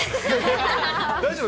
大丈夫？